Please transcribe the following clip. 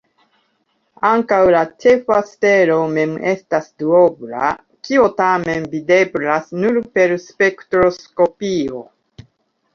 Ankaŭ la ĉefa stelo mem estas duobla, kio tamen videblas nur per spektroskopio.